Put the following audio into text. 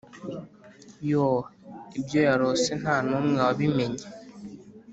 yoo, ibyo yarose ntanumwe wabimenye,